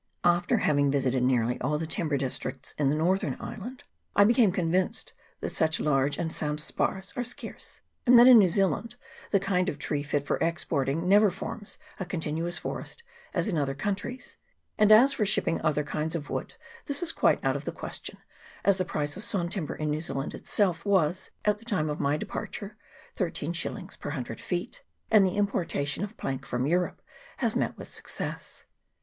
After having visited nearly all the timber districts in the northern island, I became convinced that such large and sound spars are scarce, and that, in New Zealand, the kind of tree fit for exporting never forms a continuous forest as in other countries ; and as for shipping other kinds of wood, this is quite out of the question, as the price of sawn timber in New Zealand itself was, at the time of my departure, 32*. per 100 feet ; and the importation of plank from Europe has met with success.